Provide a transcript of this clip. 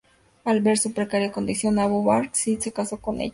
Al ver su precaria condición, Abu Bakr as-Siddiq se casó con ella.